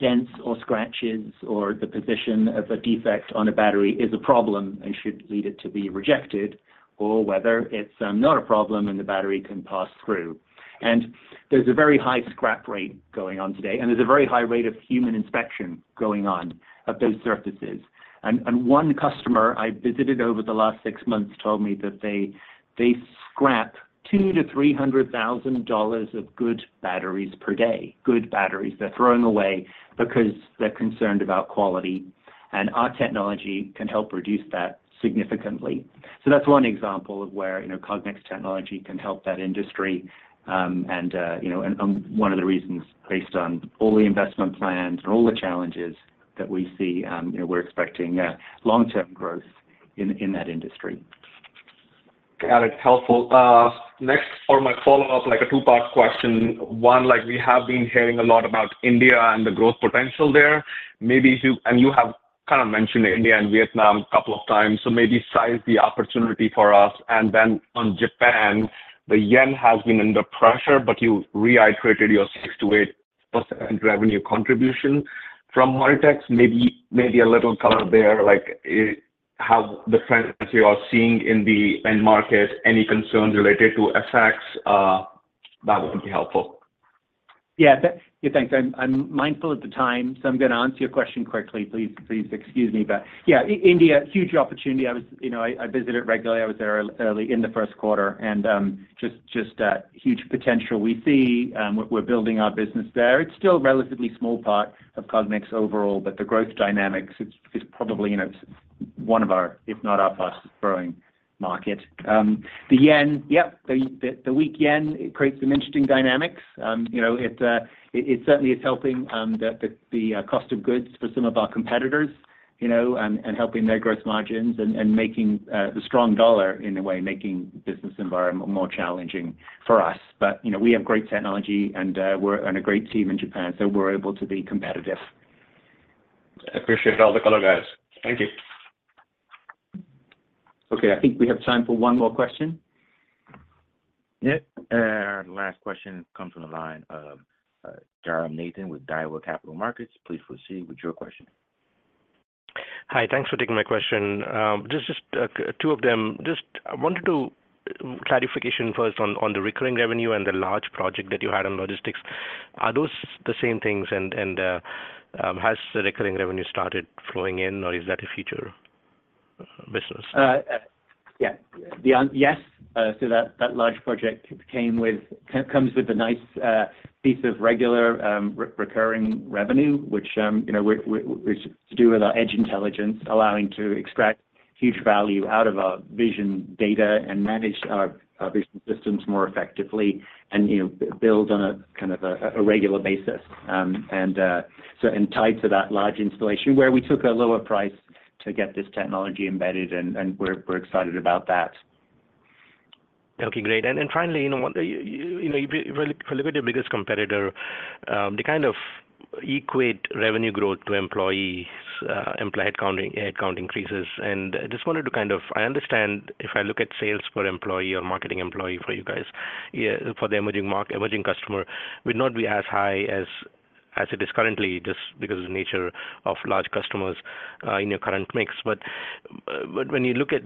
dents or scratches, or the position of a defect on a battery is a problem and should lead it to be rejected, or whether it's not a problem and the battery can pass through. There's a very high scrap rate going on today, and there's a very high rate of human inspection going on of those surfaces. And one customer I visited over the last six months told me that they, they scrap $200,000-$300,000 of good batteries per day. Good batteries they're throwing away because they're concerned about quality, and our technology can help reduce that significantly. So that's one example of where, you know, Cognex technology can help that industry, and, you know, and, one of the reasons based on all the investment plans and all the challenges that we see, you know, we're expecting, yeah, long-term growth in, in that industry. Got it. Helpful. Next, for my follow-up, like a two-part question. One, like, we have been hearing a lot about India and the growth potential there. Maybe if you... And you have kind of mentioned India and Vietnam a couple of times, so maybe size the opportunity for us. And then on Japan, the yen has been under pressure, but you reiterated your 6%-8% revenue contribution from Moritex. Maybe, maybe a little color there, like, how the trends you are seeing in the end market, any concerns related to effects, that would be helpful. Yeah. Yeah, thanks. I'm, I'm mindful of the time, so I'm gonna answer your question quickly. Please, please excuse me, but yeah, India, huge opportunity. I was, you know, I, I visit it regularly. I was there early in the first quarter, and just, just a huge potential. We see, we're, we're building our business there. It's still a relatively small part of Cognex overall, but the growth dynamics, it's, it's probably, you know, one of our, if not our fastest growing market. The yen- yeah, the, the, the weak yen, it creates some interesting dynamics. You know, it certainly is helping the cost of goods for some of our competitors, you know, and helping their gross margins and making the strong dollar, in a way, making the business environment more challenging for us. But, you know, we have great technology and a great team in Japan, so we're able to be competitive. I appreciate all the color, guys. Thank you. Okay, I think we have time for one more question. Yeah, and our last question comes from the line of Jairam Nathan with Daiwa Capital Markets. Please proceed with your question. Hi, thanks for taking my question. Just two of them. Just, I wanted to... Clarification first on the recurring revenue and the large project that you had on logistics. Are those the same things, and has the recurring revenue started flowing in, or is that a future business? Yeah. Yes, so that large project comes with a nice piece of regular recurring revenue, which, you know, which is to do with our Edge Intelligence, allowing to extract huge value out of our vision data and manage our vision systems more effectively and, you know, build on a kind of regular basis. And tied to that large installation, where we took a lower price to get this technology embedded, and we're excited about that. Okay, great. And then finally, you know, relative to your biggest competitor, they kind of equate revenue growth to employees, employee count, head count increases. And I just wanted to kind of... I understand if I look at sales per employee or marketing employee for you guys, yeah, for the emerging mark- emerging customer, would not be as high as, as it is currently, just because of the nature of large customers in your current mix. But when you look at,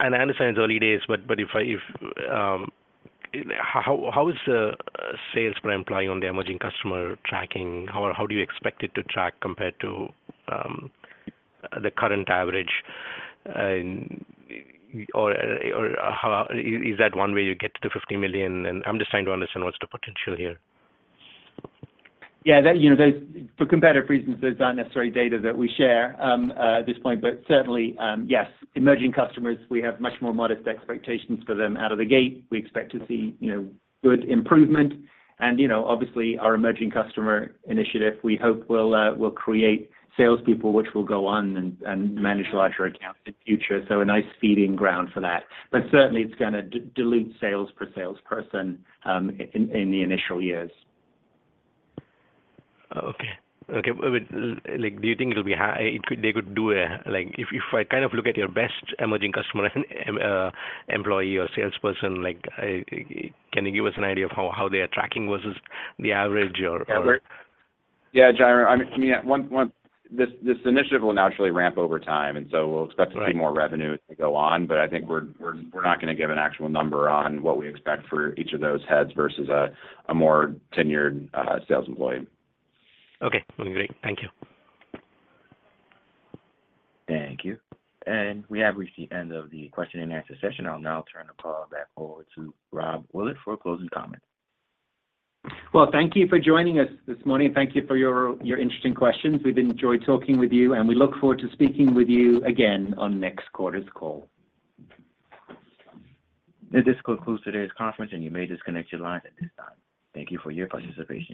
and I understand it's early days, but if I, how is the sales per employee on the emerging customer tracking? How do you expect it to track compared to the current average? And, or, or how...is that one way you get to the $50 million? I'm just trying to understand what's the potential here. Yeah, that, you know, those, for competitive reasons, that's not necessarily data that we share at this point. But certainly, yes, emerging customers, we have much more modest expectations for them out of the gate. We expect to see, you know, good improvement. And, you know, obviously, our Emerging Customer Initiative, we hope will create salespeople, which will go on and manage larger accounts in the future, so a nice feeding ground for that. But certainly, it's gonna dilute sales per salesperson in the initial years. Okay. Okay, well, but, like, do you think it'll be high? They could do, like... If, if I kind of look at your best emerging customer, employee or salesperson, like, can you give us an idea of how, how they are tracking versus the average or, or? Yeah, Jairam, I mean, to me, this initiative will naturally ramp over time, and so we'll expect to see more revenue as we go on, but I think we're not gonna give an actual number on what we expect for each of those heads versus a more tenured sales employee. Okay, well, great. Thank you. Thank you. We have reached the end of the question and answer session. I'll now turn the call back over to Rob Willett for closing comments. Well, thank you for joining us this morning. Thank you for your, your interesting questions. We've enjoyed talking with you, and we look forward to speaking with you again on next quarter's call. This concludes today's conference, and you may disconnect your lines at this time. Thank you for your participation.